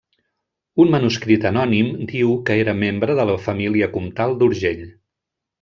Un manuscrit anònim diu que era membre de la família comtal d'Urgell.